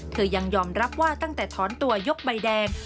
ยังยอมรับว่าตั้งแต่ถอนตัวยกใบแดง